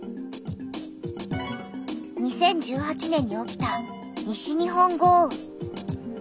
２０１８年に起きた西日本豪雨。